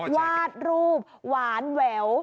วาดรูปหวานแหวว